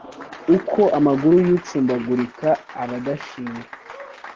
Uko amaguru y’ucumbagurika aba adashinga